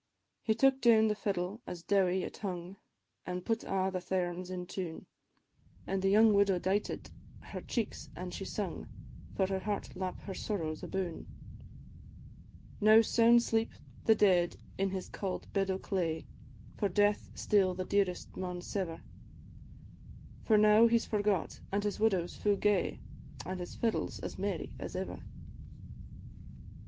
He took down the fiddle as dowie it hung, An' put a' the thairms in tune, The young widow dighted her cheeks an' she sung, For her heart lap her sorrows aboon. Now sound sleep the dead in his cauld bed o' clay, For death still the dearest maun sever; For now he 's forgot, an' his widow's fu' gay, An' his fiddle 's as merry as ever.